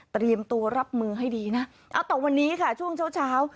เตรียมตัวรับมือให้ดีนะเอาแต่วันนี้ค่ะช่วงเช้าเช้า